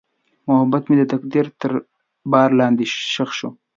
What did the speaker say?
محبت مې د تقدیر تر بار لاندې ښخ شو.